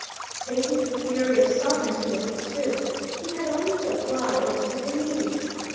Taking the theory of sovereignty as it stood, he had only to apply it to communities.